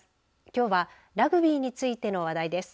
きょうはラグビーについての話題です。